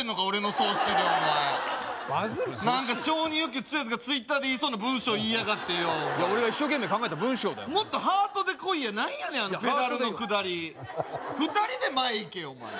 葬式で何か承認欲求強い奴がＴｗｉｔｔｅｒで言いそうな文章言いやがってよいや俺が一生懸命考えた文章だよもっとハートでこいや何やねんあのペダルのくだり２人で前行けよお前